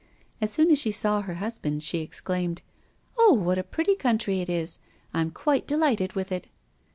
As soon as she saw her husband, she exclaimed: "Oh! what a pretty country it is! I am quite delighted with it."